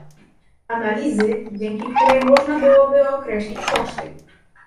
analizy, dzięki której można byłoby określić koszty